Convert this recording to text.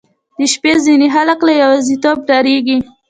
• د شپې ځینې خلک له یوازیتوبه ډاریږي.